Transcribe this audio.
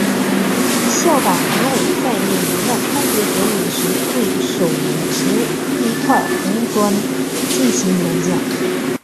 校长何伟在每年的开学典礼时会手持一块红砖进行演讲。